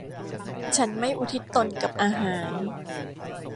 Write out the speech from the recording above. ฉันไม่อุทิศตนกับอาหาร